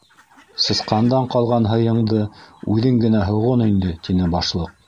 - Сысҡандан ҡалған һыйыңды үҙең генә һоғон инде, - тине Башлыҡ.